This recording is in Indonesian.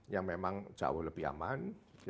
yang memang jauh lebih aman